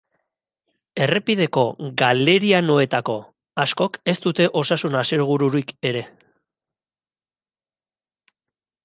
Errepideko galerianoetako askok ez dute osasun asegururik ere.